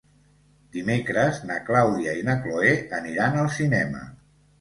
Dimecres na Clàudia i na Cloè aniran al cinema.